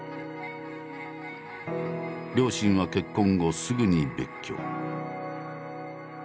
両親は結婚後すぐに別居。